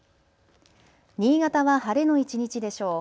新潟は晴れの一日でしょう。